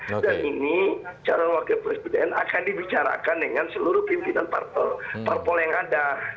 dan ini calon wakil presiden akan dibicarakan dengan seluruh pimpinan parpol yang ada